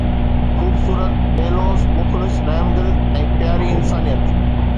خوبصورت، بي لوث، مخلص، رحمدل ۽ پياري انسانيت.